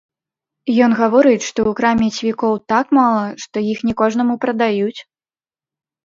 Ён гаворыць, што ў краме цвікоў так мала, што іх не кожнаму прадаюць.